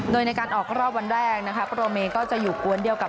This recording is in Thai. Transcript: โดยในการออกรอบวันแรกนะคะโปรเมก็จะอยู่กวนเดียวกับ